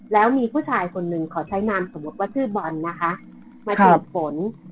แล้วมีผู้ชายคนหนึ่งขอใช้นามสมมุติว่าชื่อบอลนะคะมาตรวจฝน